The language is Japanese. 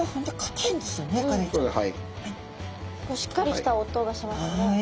しっかりした音がしますね。